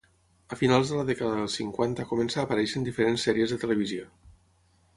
A finals de la dècada dels cinquanta comença a aparèixer en diferents sèries de televisió.